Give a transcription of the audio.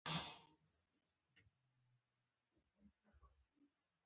اختلاف پکې د جمهوریت حسن ګڼلی شي.